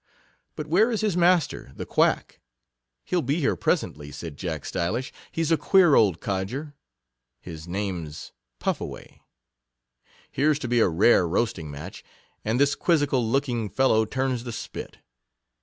But where is his mas ter, the Quack ? He'll be here presently, said Jack Stylish; he's a queer old codger; his name 's PufFaway ; here 's to be a rare roast ing match, and this quizzical looking fellow turns the spit.